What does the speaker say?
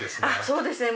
そうですね。